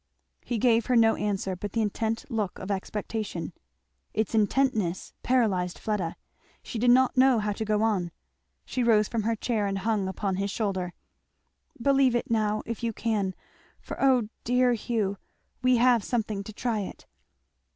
He gave her no answer but the intent look of expectation. Its intentness paralyzed Fleda. She did not know how to go on. She rose from her chair and hung upon his shoulder. "Believe it now, if you can for oh, dear Hugh! we have something to try it."